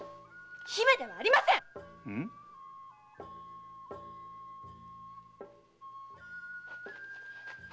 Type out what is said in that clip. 姫ではありませんっ！